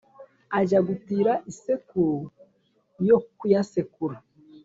ajya gutira isekuru yo kuyasekura